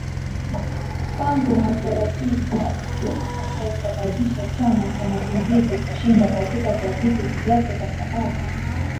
Mpango hatarajiwi kuwa mtu atakayesababisha Chama cha mapinduzi kushinda katika chaguzo zijazo kwa sababu